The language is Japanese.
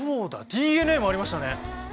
ＤＮＡもありましたね。